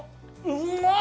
うまっ！